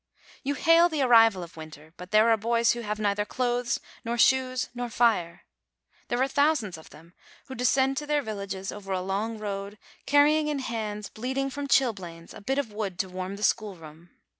You hail the arrival of winter; but there are boys who have neither clothes nor shoes nor fire. There are thousands of them, who descend to their villages, over a long road, carrying in hands bleeding from chil blains a bit of wood to warm the schoolroom.